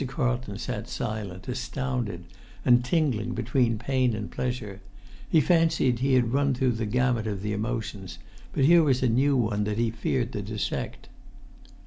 Carlton sat silent, astounded, and tingling between pain and pleasure. He fancied he had run through the gamut of the emotions, but here was a new one that he feared to dissect.